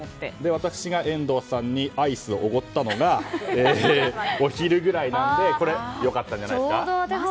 私が遠藤さんにアイスをおごったのがお昼ぐらいなので良かったんじゃないですか？